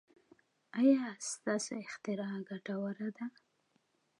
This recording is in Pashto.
ایا ستاسو اختراع ګټوره ده؟